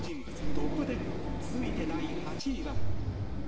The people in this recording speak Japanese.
トップ１０続いて、第８位は。